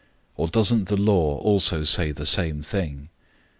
Or doesn't the law also say the same thing?